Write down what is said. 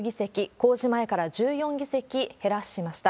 公示前から１４議席減らしました。